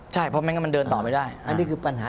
ใช่เพราะมันก็เดินต่อไม่ได้